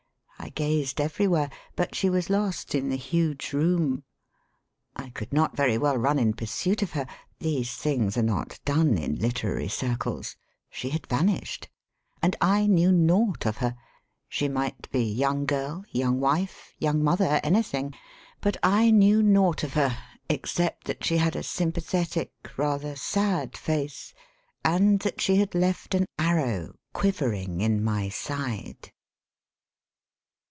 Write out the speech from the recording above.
I gazed everywhere. But she was lost in the huge room. I could not very well run in pursuit of her — these things are not done in literary circles. She had vanished. And I knew naught of her. She might be young girl, young wife, young mother, anything — ^but I knew naught of her except that she had a sym pathetic, rather sad face, and that she had left an arrow quivering in my side.